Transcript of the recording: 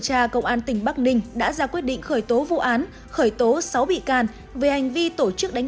tra công an tỉnh bắc ninh đã ra quyết định khởi tố vụ án khởi tố sáu bị can về hành vi tổ chức đánh